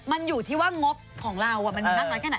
มันอยู่ที่ว่างบของเรามันมีมากน้อยแค่ไหน